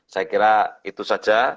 saya kira itu saja